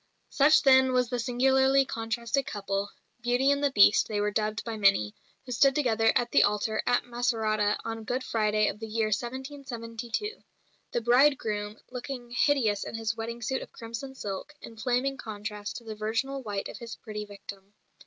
Such then was the singularly contrasted couple "Beauty and the Beast" they were dubbed by many who stood together at the altar at Macerata on Good Friday of the year 1772 the bridegroom, "looking hideous in his wedding suit of crimson silk," in flaming contrast to the virginal white of his pretty victim.